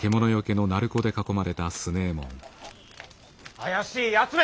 怪しいやつめ！